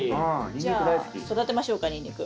じゃあ育てましょうかニンニク。